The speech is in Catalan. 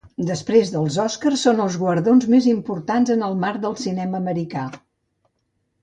Després dels Oscar, són els guardons més importants en el marc del cinema americà.